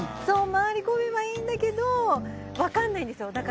そう回り込めばいいんだけどわかんないんですよ。